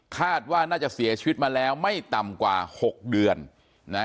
คาดว่าน่าจะเสียชีวิตมาแล้วไม่ต่ำกว่าหกเดือนนะ